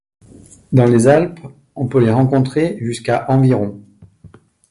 Dans les Alpes, on peut les rencontrer jusqu'à environ.